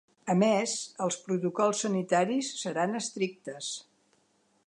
A més, els protocols sanitaris seran estrictes.